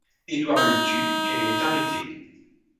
Edward le tue et est arrêté.